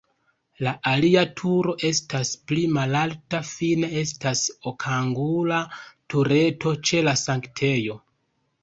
La alia turo estas pli malalta, fine estas okangula tureto ĉe la sanktejo.